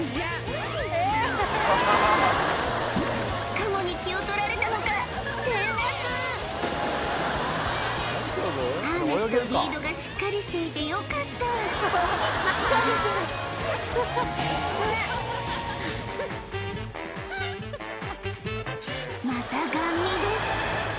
カモに気を取られたのかハーネスとリードがしっかりしていてよかったまたガン見です